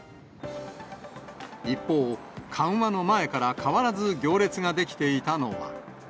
一方、緩和の前から変わらず行列が出来ていたのは。